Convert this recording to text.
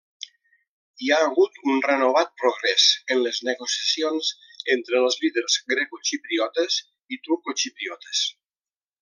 Hi ha hagut un renovat progrés en les negociacions entre els líders grecoxipriotes i turcoxipriotes.